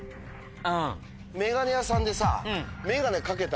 眼鏡屋さんでさ。